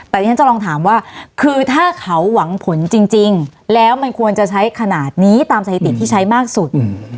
แต่ที่ฉันจะลองถามว่าคือถ้าเขาหวังผลจริงแล้วมันควรจะใช้ขนาดนี้ตามสถิติที่ใช้มากสุด